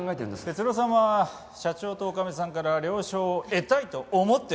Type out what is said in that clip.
哲郎さんは社長と女将さんから了承を得たいと思ってらっしゃるんですよね？